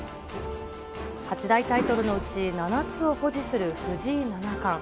８大タイトルのうち７つを保持する藤井七冠。